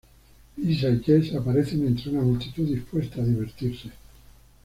Lisa y Jess aparecen entre una multitud dispuesta a divertirse.